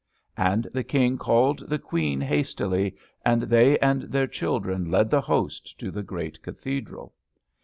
And the King called the Queen hastily, and they and their children led the host to the great Cathedral.